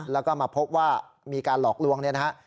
แล้วก็มาพบว่ามีการหลอกลวงเนี่ยนะฮะ